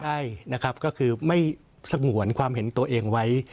ใช่นะครับก็คือไม่สงวนความเห็นตัวเองไว้